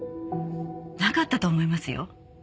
なかったと思いますよ。